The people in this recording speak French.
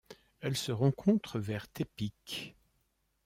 Elle se rencontre vers Tepic.